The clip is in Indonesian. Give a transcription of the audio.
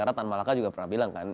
karena tan malaka juga pernah bilang kan